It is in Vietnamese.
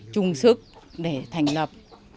chung sức để thành lập